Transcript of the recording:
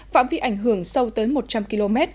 phạm vi ảnh hưởng sâu tới một trăm linh km